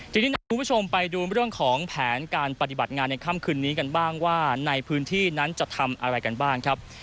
ทีนี้นำคุณผู้ชมไปดูเรื่องของแผนการปฏิบัติงานในค่ำคืนนี้กันบ้างว่าในพื้นที่นั้นจะทำอะไรกันบ้างครับ